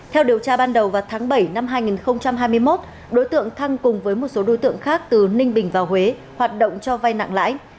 theo điều tra ban đầu vào tháng bảy năm hai nghìn hai mươi một đối tượng thăng cùng với một số đối tượng khác từ ninh bình vào huế hoạt động cho vay nặng lãi